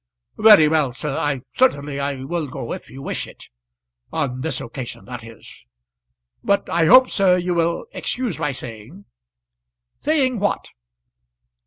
"Very well, sir; certainly I will go if you wish it; on this occasion that is. But I hope, sir, you will excuse my saying " "Saying what?"